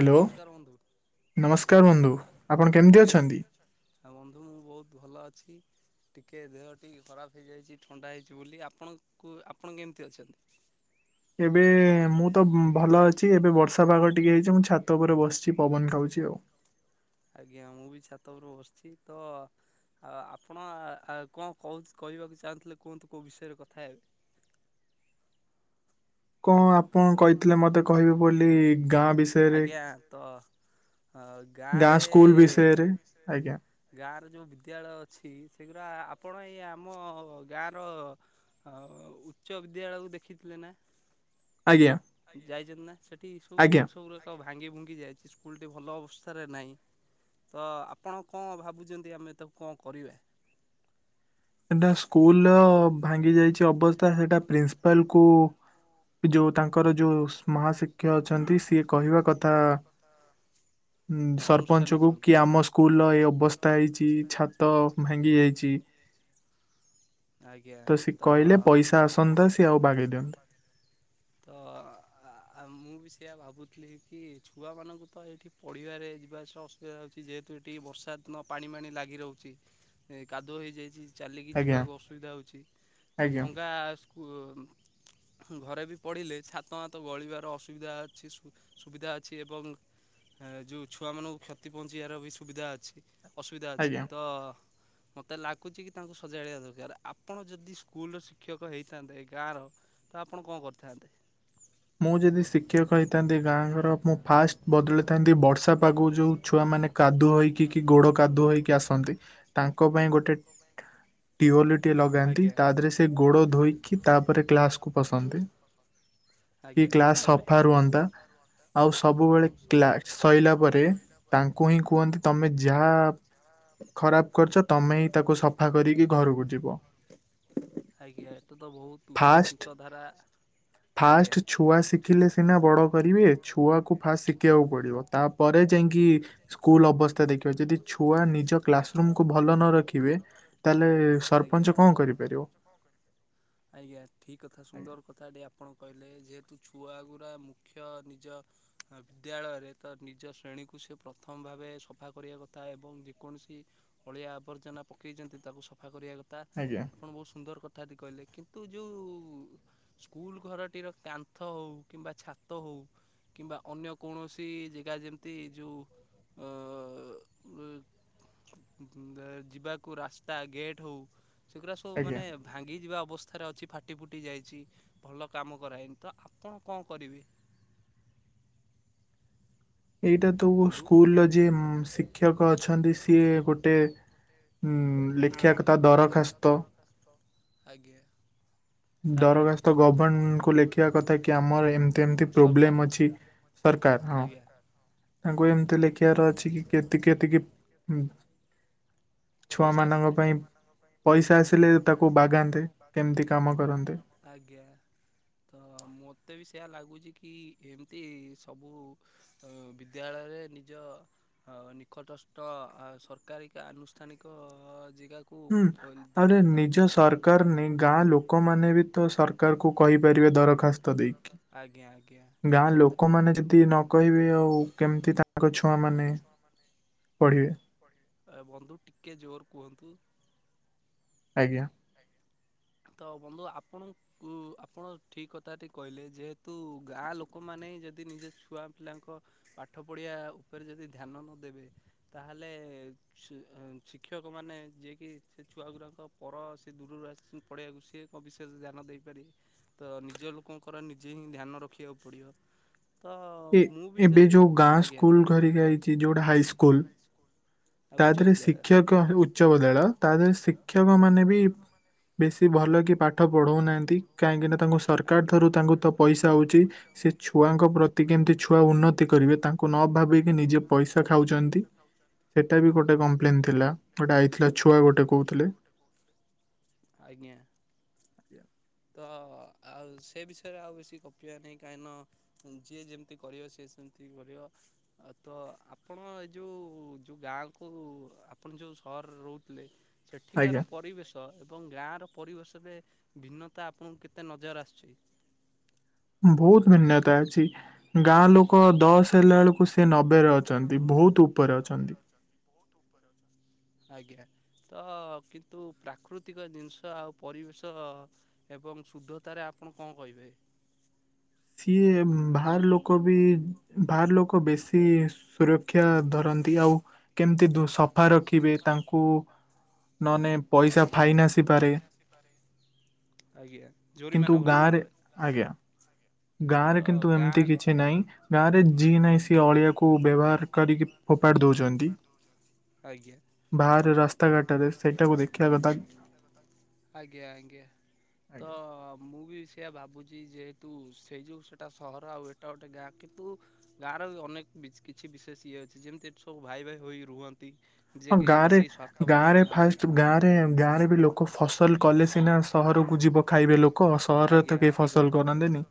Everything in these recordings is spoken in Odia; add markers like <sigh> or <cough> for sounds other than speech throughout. ହାଲୋ ନମସ୍କାର ବନ୍ଧୁ, ଆପଣ କେମିତି ଅଛନ୍ତି? ଆ ବନ୍ଧୁ ମୁଁ ବହୁତ ଭଲ ଅଛି। ଟିକେ ଦେହଟି ଖରାପ ହେଇଯାଇଛି ଥଣ୍ଡା ହେଇଛି ବୋଲି ଆପଣଙ୍କୁ ଆପଣ କେମିତି ଅଛନ୍ତି? ଏବେ ମୁଁ ତ ଭଲ ଅ ଛି ଏବେ ବର୍ଷା ପାଗ ଟିକେ ହେଇଛି ମୁଁ ଛାତ ଉପରେ ବସିଛି ପବନ ଖାଉଛି ଆଉ। ଆଜ୍ଞା ମୁଁ ବି ଛାତ ଉପରୁ ବସିଛି ତ ଆଉ ଆପଣ ଆ କଣ କହୁ କହିବାକୁ ଚାହୁଁଥିଲେ କୁହନ୍ତୁ କଉ ବିଷୟରେ କଥା ହେବେ। କଣ ଆପଣ କହିଥିଲେ ମତେ କହିବେ ବୋଲି ଗାଁ ବିଷୟରେ। ଗାଁ ସ୍କୁଲ ବିଷୟରେ ଆଜ୍ଞା। ଗାଁର ଯେଉଁ ବିଦ୍ୟାଳୟ ଅଛି ସେଗୁଡ଼ା ଆପଣ ଏଇ ଆମ ଗାଁର ହଉ ଉଚ୍ଚ ବିଦ୍ୟାଳୟକୁ ଦେଖିଥିଲେ ନା? ଆଜ୍ଞା। ଯାଇଛନ୍ତି ନା ସେଠି ଏ ସବୁ ଜିନିଷ ଗୁରାକ ଭାଙ୍ଗି ଭୁଙ୍ଗି ଯାଇଛି ସ୍କୁଲ ଟି ଭଲ ଅବସ୍ଥାରେ ନାହିଁ। ତ ଆପଣ କଣ ଭାବୁଛନ୍ତି ଆମେ ତାକୁ କଣ କରିବା। ସେଟା ସ୍କୁଲର ଭାଙ୍ଗି ଯାଇଛି ଅବସ୍ଥା ସେଇଟା ପ୍ରିନ୍ସ ଲ କୁ ଯୋଉ ତାଙ୍କର ଯୋଉ ମହାଶିକ ମୁଖ୍ୟ ଅଛନ୍ତି ସିଏ କହିବା କଥା। <inaudible> ଅନୁଷ୍ଠାନ <unintelligible> ଆଜ୍ଞା ତ ତ ଅ ଆ ଆଉ ମୁଁ ବି ସେଇଆ ଭାବୁଥିଲି କି ଛୁଆମାନଙ୍କୁ ତ ଏଇଠି ପଢ଼ିବାରେ ଯିବା ଆସିବା ଅସୁ ଉଛି ଯେହେତୁ ଏଠି ବର୍ଷା ଦିନ ପାଣିମାଣି ଲାଗି ରହୁଛି କାଦୁଅ ହେଇ ଯାଇଛି। ଚାଲିକି ଯିବାକୁ ଅସୁବିଧା ହେଉଛି ତ ଭଙ୍ଗା କ ଘରେ ବି ପଢ଼ିଲେ ଛାତ ମାତ ଗଳିବାର ଅସୁବିଧା ଅଛି ସୁବିଧା ଅଛି ଏବଂ ଯେଉ ଛୁଆମାନଙ୍କୁ କ୍ଷତି ପହଚେଁଇବାର ବି ସୁବିଧା ଅଛି ଅସୁବିଧା ଅଛି ତ ମତେ ଲାଗୁଛି କି ତାଙ୍କୁ ସଜାଡ଼ିବା ଦରକାର ଆପଣ ଯଦି ସ୍କୁଲର ଶିକ୍ଷକ ହେଇଥାନ୍ତେ ଗାଁର ତ ଆପଣ କଣ କରିଥାନ୍ତେ? ମୁଁ ଯଦି ଶିକ୍ଷକ ହୋଇଥାନ୍ତି ଗାଁ ଘର ମୁଁ ଫାଷ୍ଟ ବଦଳିଥାନ୍ତି ବର୍ଷା ପାଗକୁ ଯୋଉ ଛୁଆ ମାନେ କାଦୁଅ ହେଇକି କି ଗୋଡ କାଦୁଅ ହେଇକି ଆସନ୍ତି। ତାଙ୍କ ପାଇଁ ଗୋଟେ ଟିୱଲ ଟିଏ ଲଗାନ୍ତି ତା ଦେହରେ ସେ ଗୋଡ ଧୋଇକି ତାପରେ କ୍ଲାସକୁୁ ପସନ୍ତେ। କି କ୍ଲାସ ସଫା ରୁହନ୍ତା ଆଉ ସବୁବେଳେ କ୍ଲାସ୍ ସଇଲା ପରେ ତାଙ୍କୁ ହିଁ କୁହନ୍ତି ତମେ ଯାହା ଖରାପ କରିଛ ତମେ ହିଁ ତାକୁ ସଫା କରିକି ଘରକୁ ଯିବ। ଆଜ୍ଞା ଏଇଟା ତ ବହୁତ ଉଚ୍ଚ ଚିନ୍ତାଧାରା। ଫାଷ୍ଟ ଛୁଆ ଶିଖିଲେ ସିନା ବଡ କରିବେ ଛୁଆକୁ ଫାସ ଶିଖ ଶିକିବାକୁ ପଡ଼ିବ ତାପରେ ଯାଇଁକି ସ୍କୁଲ ଅବସ୍ଥା ଦେଖିବା ଯଦି ଛୁଆ ନିଜ କ୍ଲାସ ରୁମକୁୁ ଭଲ ନ ରଖିବେ ତାହେଲେ ସରପଞ୍ଚ କଣ କରିପାରିବ। ଆଜ୍ଞା ଠିକ କଥା ସୁନ୍ଦର କଥା ଟେ ଆପଣ କହିଲେ ଯେହେତୁ ଛୁଆଗୁରା ମୁଖ୍ୟ ନିଜ ବିଦ୍ୟାଳୟରେ ତ ନିଜ ଶ୍ରେଣୀକୁ ସେ ପ୍ରଥମ ଭାବେ ସଫା କରିବା କଥା ଏବଂ ଯେକୌଣସି ଅଳିଆ ଆବର୍ଜନା ପକେଇଛନ୍ତି ତାକୁ ସଫା କରିବା କଥା। ଆଜ୍ଞା। ଆପଣ ବହୁତ ସୁନ୍ଦର କଥା ଟି କହିଲେ। କିନ୍ତୁ ଯେଉଁ ସ୍କୁଲ ଘରଟିର କାନ୍ଥ ହଉ କିମ୍ବା ଛାତ ହଉ କିମ୍ବା ଅନ୍ୟ କୌଣସି ଜେଗା ଯେମିତି ଯଉ ଅ <unintelligible> ଯିବାକୁ ରାସ୍ତା ଗେଟ୍ ହଉ, ସେଗୁରା ସବୁ ମାନେ ଭାଙ୍ଗିଯିବା ଅବସ୍ଥା ଥାରେ ଅଛି ଫାଟି ଫୁଟି ଯାଇଛି, ଭଲ କାମ କରାହେଇନି ତ ଆପଣ କଣ କରିବେ? ଏଇଟା ତ ସ୍କୁଲର ଯିଏ ଶିକ୍ଷକ ଅଛନ୍ତି ସିଏ ଗୋଟେ ହୁଁ ଲେଖିଆ କଥା ଦରଖାସ୍ତ। <inaudible> ଆଜ୍ଞା। ଦରଖାସ୍ତ ଗଭନକୁ ଲେଖିବା କଥା କି ଆମର ଏମତି ଏମତି ପ୍ରୋବ୍ଲେମ୍ ଅଛି। ସରକାର, ହଁ ତାଙ୍କୁ ଏମିତି ଲେଖିଆର ଅଛି କି କେତିକି ଏତିକି ଛୁଆ ମାନଙ୍କ ପାଇଁ ପଇସା ଆସିଲେ ତାକୁ ବାଗାନ୍ତେ, କେମତି କାମ କରନ୍ତେ। ଆଜ୍ଞା। ତ ମୋତେ ବି ସେୟା ଲାଗୁଚି କି, ଏମତି ସବୁ ଅ ବିଦ୍ୟାଳୟରେ ନିଜ ନିକଟସ୍ତ ଆ ସରକାରୀ କା ଆନୁଷ୍ ସ୍ଥାନିକ ଜେଗାକୁ କୁ ଦରଖାସ୍ତ ଲେଖି ପଠେଇବା ଦରକାର। ଆଜ୍ଞା, ଆଜ୍ଞା ଠିକ୍ କଥା। କହିବି ଆଉ କେମିତି ତାଙ୍କ ଛୁଆମାନେ ପଢ଼ିବେ। ଆ ବନ୍ଧୁ ଟିକେ ଜୋର କୁହନ୍ତୁ। ଆଜ୍ଞା। ତ ବନ୍ଧୁ ଆପଣକ ଉ ଆପଣ ଠିକ୍ କଥା ଟି କହିଲେ, ଯେହେତୁ ଗାଁ ଲୋକମାନେଇ ଯେଦି ନିଜେ ଛୁଆ ପିଲାଙ୍କ ପାଠ ପଢ଼ିବା ଉପରେ ଯଦି ଧ୍ୟାନ ନ ଦେବେ ତାହେଲେ ଶି ଶିକ୍ଷକ ମାନେ ଯିଏକି ସେ ଛୁଆ ଗୁରାଙ୍କ ପର ସ୍ ସେ ଦୂରରୁ ଆସିଛି ପଢ଼ିଆକୁ ସିଏ କ ବିଶେଷ୍ ଧ୍ୟାନ ଦେଇପାରିବେ। ତ ନିଜ ଲୋକଙ୍କର ନିଜେ ହିଁ ଧ୍ୟାନ ରଖିଆକୁ ପଡିବ। ଏ ଏବେ ଯୋଉ ଗାଁ ସ୍କୁଲ ଘରିକା ହେଇଚି, ଯୋଉଟା ହାଇସ୍କୁ ହାଇସ୍କୁ ତା ଧେରେ ଶିକ୍ଷକ୍ କ ଉଚ୍ଚ ବିଦ୍ୟାଳୟ ତା ଦେହରେ ଶିକ୍ଷକ ମାନେ ବି ବେଶୀ ଭଲ କି ପାଠ ପଢ଼ଉନାହାନ୍ତି, କାହିଁକିନା ତାଙ୍କୁ ସରକାର ଥରୁ ତାଙ୍କୁ ତ ପଇସା ହଉଚି ସେ ଛୁଆଙ୍କ ପ୍ର କେମତି ଛୁଆ ଉନ୍ନତି କରିବେ ତାଙ୍କୁ ନ ଭାବିକି ନିଜେ ପଇସା ଖାଉଛନ୍ତି। ସେଟା ବି ଗୋଟେ କମ୍ପ୍ଲେନ ଥିଲା, ଗୋଟେ ଆଇଥିଲା ଛୁଆ ଗୋଟେ କହୁଥିଲେ। ଆଜ୍ଞା। ତ ଆଉ ସେ ବିଷୟରେ ଆଉ ବେଶୀ ଗପବା ନାହିଁ, କାହିଁନ ଯିଏ ଯେମତି କରିବ, ସିଏ ସେମତି କରିବ। ତ ଆପଣ ଏ ଯୋଉ ଯୋଉ ଗାଁକୁ ଆପଣ ଯୋଉ ସହରରେ ରହୁଥିଲେ। ସେଠିକାର ପରିବେଶ ଏବଂ ଗାଁର ପରିବେଶରେ ଭିନ୍ନ ତା ଆପଣଙ୍କୁ କେତେ ନଜାର ଆସୁଛି। ବହୁତ୍ ଭିନ୍ନତା ଅଛି, ଗାଁ ଲୋ ଲୋକ ଦଶ ହେଲାଳକୁ ସେ ନବେରେ ଅଛନ୍ତି, ବହୁତ ଉପରେ ଅଛନ୍ତି। ଆଜ୍ଞା। ତ କିନ୍ତୁ ପ୍ରାକୃତିକ ଜିନଷ ଆଉ ପରିବେଶ ଏବଂ ଶୁଦ୍ଧତାରେ ଆପଣ କଁ କହିବେ? ସିଏ ବାହାର ଲୋକ ବି ବାହାର ଲୋକ ବେଶୀ ସୁର କ୍ୟା ଧରନ୍ତି ଆଉ କେମତି ଦୂ ସଫା ରଖି ସଫା ରଖିବେ ତାଙ୍କୁ ନ ନେ ପଇସା ଫାଇନ୍ ଆସିପାରେ। ଆଜ୍ଞା, ଜୋରିମାନା ଭରିବାକୁ ପଡେ। ଗାଁରେ କିନ୍ତୁ ଏମିତି କିଛି ନାଇଁ, ଗାଁରେ ଯିଏ ନାଇଁ ସିଏ, ଅଳିଆକୁ ବ୍ୟବହାର କରିକି ଫୋପାଡି ଦଉଚନ୍ତି। ବାହାର ରାସ୍ ଆଜ୍ଞା ଆଜ୍ଞା। ତ ମୁଁ ବି ସେୟା ଭାବୁଚି, ଯେହେତୁ ସେଇ ଯୋଉ ସେଟା ସହର। ଆଉ ଏ ଟା ଗୋଟେ ଗାଁ କିନ୍ତୁ ଗାଁର ବି ଅନେକ କିଛି ବିଶେଷ ଇଏ ଅଛି, ଯେମିତି ଏଠି ସବୁ ଭାଇ ଭାଇ ହୋଇ ରୁହନ୍ତି। ଯେ କେହି ବେଶୀ ସ୍ୱା ଗାଁରେ ଫାଷ୍ଟ ଗାଁରେ ଗାଁରେ ବି ଲୋ ଲୋକ ଫସଲ କଲେ ସିନା, ସହରକୁ ଯିବ ଖାଇବେ ଲୋକ। ସହରରେ ତ କେହି ଫସଲ କରନ୍ତିନି।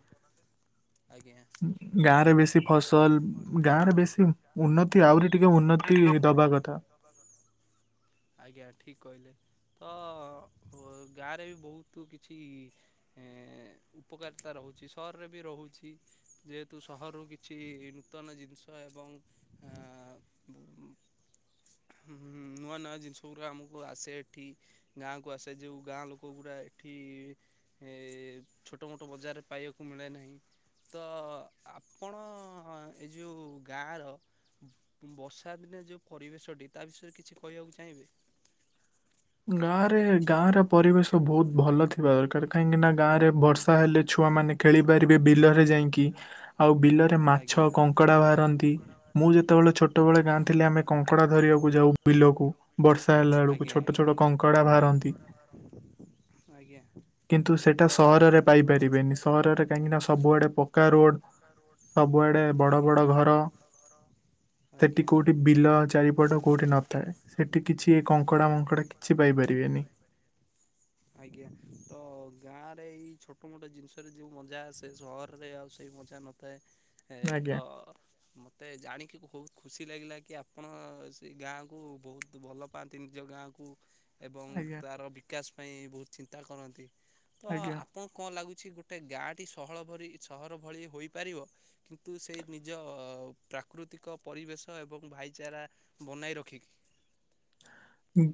ଆଜ୍ଞା। ଗାଁରେ ବେଶୀ ଫସଲ, ଗାଁରେ ବେଶୀ ଉନ୍ନତି ଆହୁରି ଟିକେ ଉନ୍ନତି ଦବା କଥା। ଆଜ୍ଞା ଠିକ୍ କହିଲେ। ତ ଗାଁରେ ବି ବହୁତ କିଛି ଉପକାରିତା ରହୁଛି। ସହରରେ ବି ରହୁଛି, ଯେହେତୁ ସହରରୁ କିଛି କିଛି ନୂତନ ଜିନିଷ ଏବଂ ହଁ ନୂଆ ନୂଆ ଜିନିଷ ଗୁରା ଆମକୁ ଆସେ ଏଠି। ଗାଁକୁ ଆସେ, ଯୋଉ ଗାଁ ଲୋକ ଗୁରା ଏଠି ଏ ଛୋଟମୋଟ ବଜାରରେ ପାଇବାକୁ ମିଳେ ନାହିଁ, ତ ଆ ପଣ ଏ ଯୋଉ ଗାଁର ବର୍ଷା ଦିନେ ଯେଉଁ ପରିବେଶଟି, ତା ବିଷୟରେ କିଛି କହିଆକୁ ଚାହିଁବେ? ଗାଁରେ, ଗାଁର ପରିବେଶ ବହୁତ ଭଲ ଥିବା ଦରକାର। କାଇଁକି ନା ଗାଁରେ ବର୍ଷା ହେଲେ ଛୁଆମାନେ ଖେଳି ପାରିବେ ବିଲରେ ଯାଇକି। ଆଉ ବିଲରେ ମାଛ, କଙ୍କଡ଼ା ବାହାରନ୍ତି। ମୁଁ ଯେତେବେଳେ ଛୋଟବେଳେ ଗାଁରେ ଥିଲି, ଆମେ କଙ୍କଡ଼ା ଧରିବାକୁ ଯାଉ। ବିଲକୁ, ବର୍ଷା ହେଲା ବେଳକୁ ଛୋ ଟ ଛୋଟ କଙ୍କଡା ବାହାରନ୍ତି। କିନ୍ତୁ ସେଇଟା ସହରରେ ପାଇପାରିବେନି, ସହରରେ କାହିଁକିନା ସବୁଆଡ଼େ ପକ୍କା ରୋଡ୍। ଆଜ୍ଞା। ସେଠି କୋଉଠି ବିଲ, ଚାରିପଟ କୋଉଠି ନଥାଏ। ସେଠି କିଛି ଏ କଙ୍କଡ଼ା ମଙ୍କଡ଼ା କିଛି ପାଇପାରିବେନି। ଆଜ୍ଞା ତ ଗାଁରେ ଏଇ ଛୋଟ ମୋଟ ଜିନିଷରେ ଯେଉଁ ମଜା ଆସେ, ସହରରେ ଆଉ ସେଇ ମଜା ନ ଥାଏ ଏ ତ ମତେ ଜାଣିକି ବହୁତ ଖୁସି ଲାଗିଲା କି, ଆପଣ ସେ ଗାଁକୁ ବହୁତ ଭଲ ପାଆନ୍ତି ନିଜ ଗାଁକୁ। ଏବଂ ତାର ବିକାଶ ପାଇଁ ବହୁତ ଚିନ୍ତା କରନ୍ତି। ତ ଆପଣ କଣ ଲାଗୁଛି, ଗୋଟେ ଗାଁଟି ସହଳ ପରି ସହର ଭଳି ହୋଇପାରିବ? କିନ୍ତୁ ସେଇ ନିଜ ପ୍ରାକୃତିକ ପରିବେଶ ଏବଂ ଭାଇଚାରା ବନାଇ ରଖିକି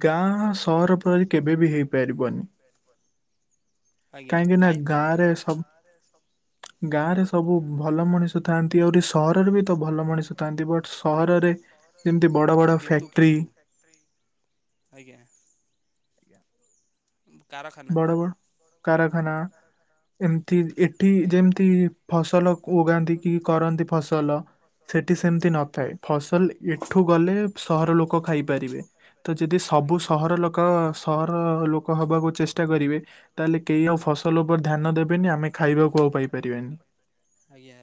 ଗାଁ ସହର ପରି କେବେ ବି ହେଇପାରିବନି। ଆଜ୍ଞା କାଇଁ କଣ ଗାଁରେ ସବୁ ଭଲ ମଣିଷ ଥାଆନ୍ତି, ଆହୁରି ସହରରେ ବି ତ ଭଲ ମଣିଷ ଥାଆନ୍ତି। ବଟ୍ ସହରରେ କିନ୍ତୁ କିନ୍ତୁ ଆଜ୍ଞା। କାରଖାନା। କାରଖାନା। ଏମିତି ଏଠି ଯେମିତି ଫସଲ ଉଗାନ୍ତି କି କରନ୍ତି ଫସଲ ସେଠି ସେମିତି ନଥାଏ, ଫସଲ ଏଠୁ ଗଲେ ସହର ଲୋକ ଖାଇପାରିବେ। ତ ଯଦି ସବୁ ସହର ଲୋକ, ସହର ଲୋକ ହବାକୁ ଚେଷ୍ଟା ଚଷ୍ଟା କରିବେ, ତାହେଲେ କେହି ଆଉ ଫସଲ ଉପରେ ଧ୍ୟାନ ଦେବେନି। ଆମେ ଖାଇବାକୁ ଆଉ ପାଇପାରିବାନି।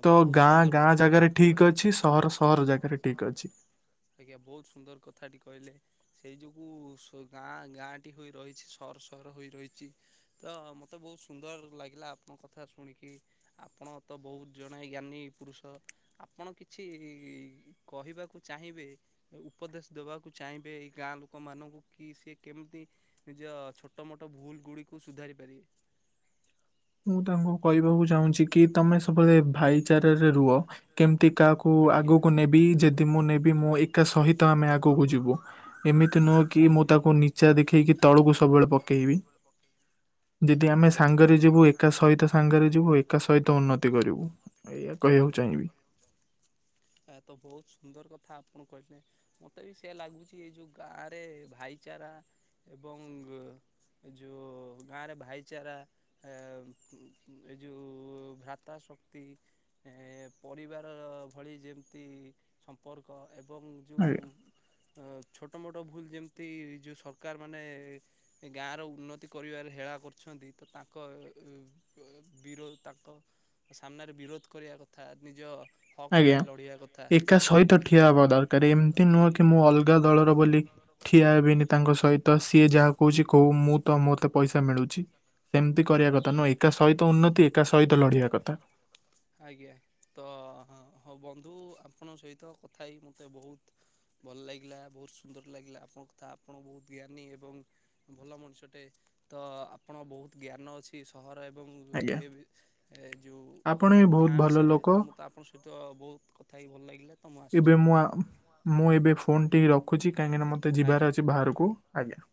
ତ ଗାଁ ଗାଁ ଜାଗାରେ ଠିକ ଅଛି। ସହର ସହର ଜାଗାରେ ଠିକ ଅଛି। ଆଜ୍ଞା ବହୁତ ସୁନ୍ଦର କଥାଟି କହିଲେ ସେଇ ଯୋଗୁଁ ସ ଗାଁ ଗାଁଟି ହୋଇ ରହିଛି ସ ହର ସହର ହୋଇ ରହିଛି। ତ ମୋତେ ବହୁତ ସୁନ୍ଦର ଲାଗିଲା ଆପଣଙ୍କ କଥା ଶୁଣିକି। ଆପଣ ତ ବହୁତ ଜଣେ ଜ୍ଞାନୀ ପୁରୁଷ। ଆପଣ କିଛି-ଇ-ଇ-ଇ-ଇ କହିବାକୁ ଚାହିଁବେ ଉପଦେଶ ଦେବାକୁ ଚାହିଁବେ ଏଇ ଗାଁ ଲୋକମାନଙ୍କୁ କି ସେ କେମିତି ନିଜ ଛୋଟମୋଟ ଭୁଲ୍ ଗୁଡ଼ିକୁ ସୁଧାରିପାରିବେ। ମୁଁ ତାଙ୍କୁ କହିବାକୁ ଚାହୁଁଛି କି ତମେ ସବୁବେଳେ ଭାଇଚାରାରେ ରୁହ କେମିତି କାହାକୁ ଆଗକୁ ନେବି ଯେଦି ମୁଁ ନେବି ମୁଁ ଏଇ ଏକା ସହିତ ଆମେ ଆଗକୁ ଯିବୁ। ଏମିତି ନୁହଁ କି ମୁଁ ତାକୁ ନିଚା ଦେଖେଇକି ତଳକୁ ସବୁବେଳେ ପକେଇବି। <unintelligible> ଯେଦି ଆମେ ସାଙ୍ଗରେ ଯିବୁ ଏ ଏକା ସହିତ ସାଙ୍ଗରେ ଯିବୁ ଏକା ସହିତ ଉନ୍ନତି କରିବୁ ଏଇଆ କହିବାକୁ ଚାହିଁବି। ଏ ତ ବହୁତ ସୁନ୍ଦର କଥା ଆପଣ କହିଲେ। ମତେ ବି ସେଇଆ ଲାଗୁଚି ଏଇ ଯୋଉ ଗାଁ ରେ ଭାଇଚାରା ଏବଂ ଯୋ-ଓ-ଓ ଗାଁରେ ଭାଇ ଚାରା ଆ-ଆ-ଆ-ଆ ଏ ଯେଉଁ-ଉ-ଉ-ଉ ଭ୍ରାତା ଶକ୍ତି ଏ-ଏ-ଏ ପରିବାର-ଅ-ଅ ଭଳି ଯେମିତି ସମ୍ପର୍କ ଏବଂ ଯୋଉଁ-ଉ-ଉ ଅ ଛୋଟମୋଟ ଭୁଲ୍ ଯେମିତି ଯେଉଁ ସରକାରମାନେ-ଏ-ଏ ଏ ଗାଁ ର ଉନ୍ନତି କରିବାରେ ହେଳା କରୁ ଛନ୍ତି ତ ତାଙ୍କ-ଅ-ଅ-ଅ ଅ ବିର ତାଙ୍କ ସାମ୍ନାରେ ବିରୋଧ କରିବା କଥା ନିଜ ଆଜ୍ଞା ଏକା ସହିତ ଠିଆ ହବା ଦରକାର ଏମିତି ନୁହଁ କି ମୁଁ ଅଲଗା ଦଳର ବୋଲି ଠିଆ ହେବିନି ତାଙ୍କ ସହିତ ସିଏ ଯାହା କହୁଛି କହୁ ମୁଁ ତ ମୋତେ ପଇସା ମିଳୁଛି। ସେମିତି କରିବା କଥା ନୁହଁ। ଏକା ସହିତ ଉନ୍ନତି ଏକା ସହିତ ଲଢିବା କଥା। ହ <inaudible> ଆଜ୍ଞା। ତ-ଅ-ଅ-ଅ ହଁ ବନ୍ଧୁ ଆପଣଙ୍କ ସହିତ କଥା ହେଇ ମୋତେ ବହୁତ ଭଲ ଲାଗିଲା ବହୁତ ସୁନ୍ଦର ଲାଗିଲା ଆପଣଙ୍କ କଥା ଆପଣ ବହୁତ ଜ୍ଞାନୀ ଏବଂ ଭଲ ମଣିଷଟେ ତ ଆପଣ ବହୁତ ଜ୍ଞାନ ଅଛି ସହର ଏବଂ ଇଏ ବି ଏ ଯେଉଁ ଗାଁ ବିଷୟରେ ତମ ତ ଆପଣଙ୍କ ସହିତ ବହୁତ କଥା ହେଇକି ଭଲ ଲାଗିଲା। ତ ମୁଁ ଆସ ଏବେ ମୁଁ ଆ ମୁଁ ଏବେ ଫୋନଟି ରଖୁଛି କାହିଁକିନା ମୋତେ ଯିବାର ଅଛି ବାହାରକୁ ଆଜ୍ଞା।